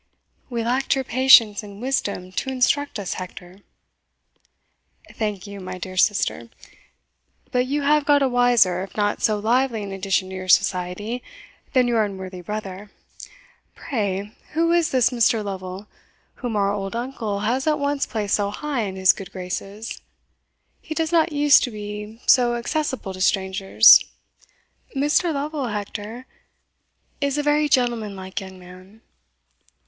"We lacked your patience and wisdom to instruct us, Hector." "Thank you, my dear sister. But you have got a wiser, if not so lively an addition to your society, than your unworthy brother Pray, who is this Mr. Lovel, whom our old uncle has at once placed so high in his good graces? he does not use to be so accessible to strangers." "Mr. Lovel, Hector, is a very gentleman like young man."